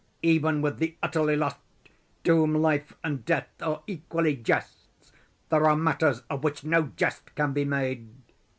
Even with the utterly lost, to whom life and death are equally jests, there are matters of which no jest can be made.